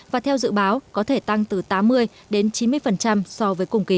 và theo dự báo có thể tăng từ tám mươi đến chín mươi so với cùng kỳ